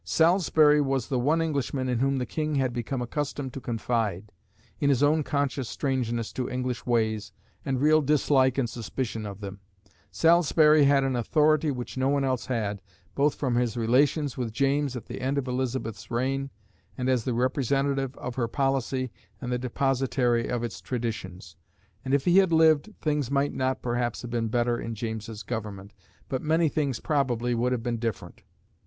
Salisbury was the one Englishman in whom the King had become accustomed to confide, in his own conscious strangeness to English ways and real dislike and suspicion of them; Salisbury had an authority which no one else had, both from his relations with James at the end of Elizabeth's reign, and as the representative of her policy and the depositary of its traditions; and if he had lived, things might not, perhaps, have been better in James's government, but many things, probably, would have been different.